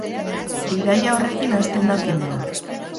Bidaia horrekin hasten da filma.